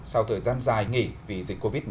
sau thời gian dài nghỉ vì dịch covid một mươi chín